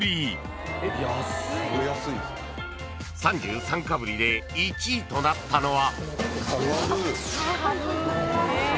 ［３３かぶりで１位となったのは］